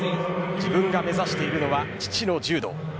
自分が目指しているのは父の柔道。